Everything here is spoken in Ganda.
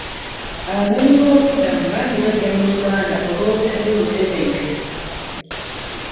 Abanoonyiboobubudamu bangi bajja mu Uganda olw'obutali butebenkevu.